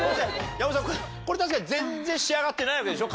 山本さんこれ全然仕上がってないわけでしょ？